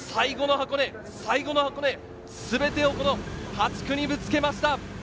最後の箱根、全てを８区にぶつけました。